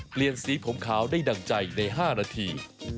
เปลี่ยนสีผมขาวได้ดั่งใจใน๕นาที